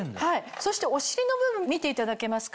そしてお尻の部分見ていただけますか？